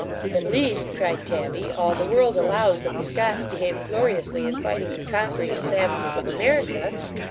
'At least (cried Tabby), all the world allows that the Scots behaved gloriously in fighting and conquering the savages of America.